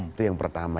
itu yang pertama